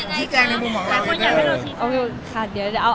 พี่แจ้งในมุมหาวิทยาลัย